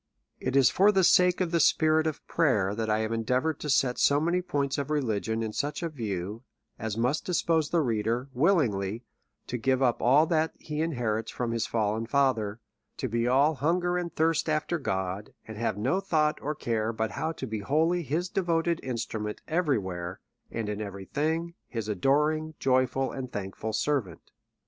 It is for the sake of the spirit of prayer that I have THE REV. W. LAW. XXIX Endeavoured to set so many points of religion in such a view as must dispose the reader, willingly, to give up all that he inherits from his fallen father; to be all hunger and thirst after God, and have no thought or care but how to be wholly his devoted instrument every where ; and, in every thing, his adoring, joyful, and thankful servant.